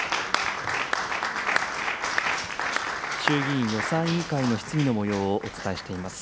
衆議院予算委員会の質疑のもようをお伝えしています。